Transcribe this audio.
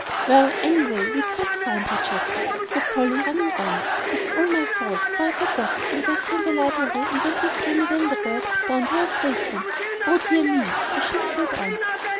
"Well, anyway, we can't find her, Jasper," said Polly, running on. "And it's all my fault, for I forgot, and left her in the library, and went with Fanny Vanderburgh down to her state room. O dear me!" as she sped on.